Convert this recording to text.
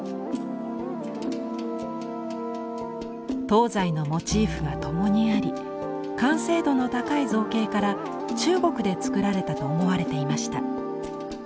東西のモチーフがともにあり完成度の高い造形から中国で作られたと思われていました。